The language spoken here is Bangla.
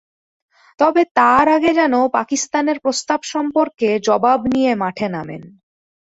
তবে তার আগে যেন পাকিস্তানের প্রস্তাব সম্পর্কে জবাব নিয়ে মাঠে নামেন।